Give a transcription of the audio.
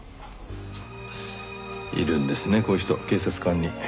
いるんですねこういう人警察官に。